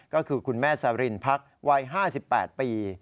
ก็คือคุณแม่สรินพักวัย๕๘ปี